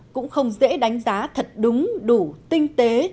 cũng không dễ đánh giá thật đúng đủ tinh tế